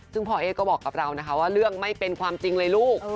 ซึ่งพ่อเอ๊ก็บอกกับเรานะคะว่าเรื่องไม่เป็นความจริงเลยลูก